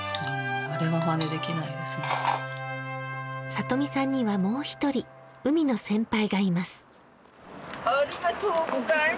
里見さんにはもう１人、海の先輩がいます。